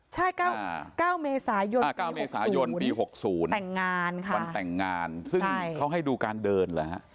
ใช่๙เมษายนปี๖๐วันแต่งงานค่ะซึ่งเขาให้ดูการเดินหรือฮะ